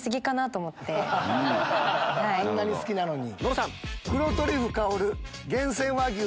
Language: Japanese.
あんなに好きなのに。